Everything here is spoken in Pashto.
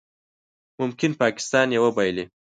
ممکن پاکستان یې وبایلي